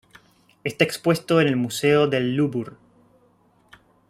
Está expuesto en el Museo del Louvre.